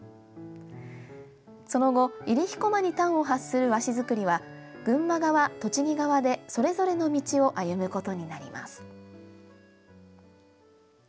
その後、入飛駒に端を発する和紙作りは群馬側、栃木側でそれぞれの道を歩むことになります。